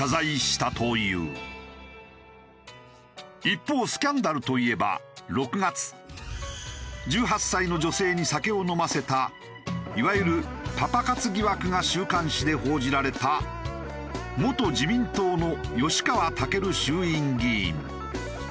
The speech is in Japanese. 一方スキャンダルといえば６月１８歳の女性に酒を飲ませたいわゆるパパ活疑惑が週刊誌で報じられた元自民党の吉川赳衆院議員。